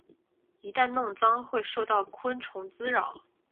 一旦弄脏会受到昆虫滋扰。